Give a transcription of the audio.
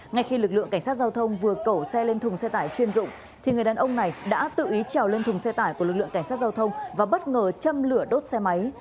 ngay khi lực lượng cảnh sát giao thông vừa cẩu xe lên thùng xe tải chuyên dụng thì người đàn ông này đã tự ý trèo lên thùng xe tải của lực lượng cảnh sát giao thông và bất ngờ châm lửa đốt xe máy